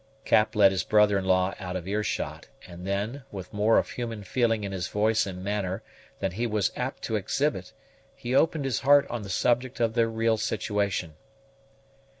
Cap led his brother in law out of ear shot; and then, with more of human feeling in his voice and manner than he was apt to exhibit, he opened his heart on the subject of their real situation.